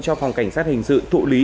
cho phòng cảnh sát hình sự thụ lý